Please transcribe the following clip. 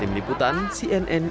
tim liputan cnn